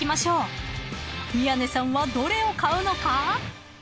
［宮根さんはどれを買うのか？］